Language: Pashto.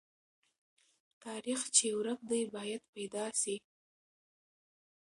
تاریخ چې ورک دی، باید پیدا سي.